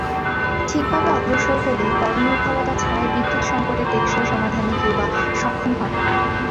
ঠিকভাবে অগ্রসর হলে পরনির্ভরতা ছাড়াই বিদ্যুৎ সংকটের টেকসই সমাধানে কিউবা সক্ষম হবে।